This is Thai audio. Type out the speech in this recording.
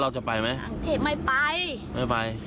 ขอบคุณพี่ที่ข่วยลูก